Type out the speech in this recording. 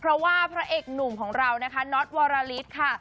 เพราะว่าพระเอกหนุ่มของเรานะคะน็อตวรลิศค่ะ